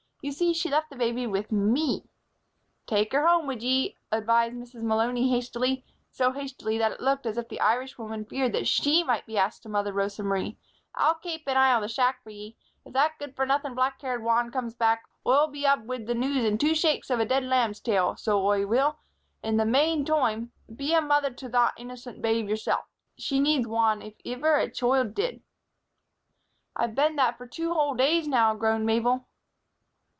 You see, she left the baby with me." "Take her home wid ye," advised Mrs. Malony, hastily; so hastily that it looked as if the Irishwoman feared that she might be asked to mother Rosa Marie. "I'll kape an eye on the shack for ye. If that good for nothin' black haired wan comes back, Oi'll be up wid the news in two shakes of a dead lamb's tail, so Oi will. In the mane toime, be a mother to thot innocent babe yourself. She needs wan if iver a choild did." "I've been that for two whole days now," groaned Mabel.